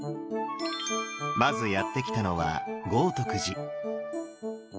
まずやって来たのは豪徳寺。